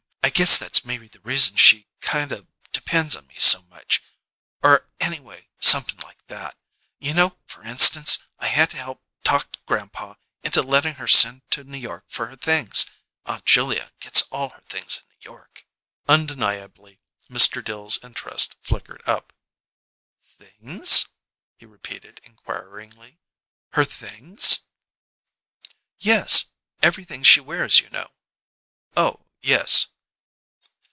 I guess that's maybe the reason she kind of depen's on me so much; or anyway somep'n like that. You know, f'r instance, I had to help talk grandpa into lettin' her send to New York for her things. Aunt Julia gets all her things in New York." Undeniably, Mr. Dill's interest flickered up. "Things?" he repeated inquiringly. "Her things?" "Yes. Everything she wears, you know." "Oh, yes."